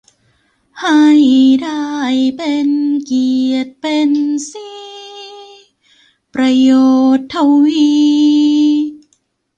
ให้ได้เป็นเกียรติเป็นศรี ประโยชน์ทวี